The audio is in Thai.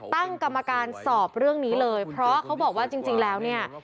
ตั้งกรรมการสอบเรื่องนี้เลยเพราะเขาบอกว่าจริงแล้วเนี่ย